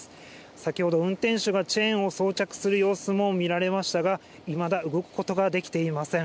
先ほど運転手がチェーンを装着する様子も見られましたが、いまだ、動くことができていません。